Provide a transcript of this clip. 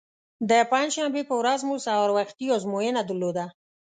د پنجشنبې په ورځ مو سهار وختي ازموینه درلوده.